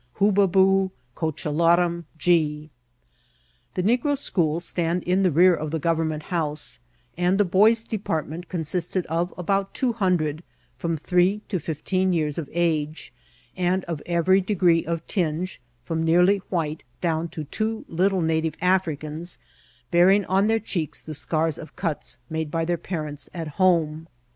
Hubbabboo Cochalo rum Gee !*" The negro schools stand in the rear of the Govern* ment House, and the boys' department consisted of about two hundred, firom three to fifteen years of age, and of every degree of tinge, from nearly white down to two little native Afiricans bearing on their cheeks tne scars of cuts made by their parents at home.